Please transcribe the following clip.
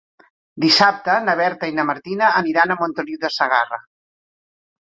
Dissabte na Berta i na Martina aniran a Montoliu de Segarra.